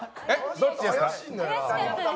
どっちですか？